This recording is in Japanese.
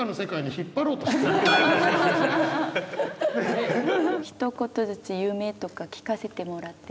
ひと言ずつ夢とか聞かせてもらってもいいですか？